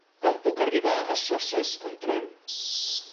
Com puc arribar a Soses amb tren?